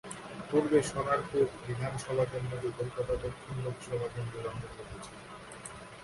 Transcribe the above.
পূর্বে সোনারপুর বিধানসভা কেন্দ্রটি কলকাতা দক্ষিণ লোকসভা কেন্দ্রের অন্তর্গত ছিল।